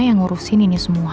yang ngurusin ini semua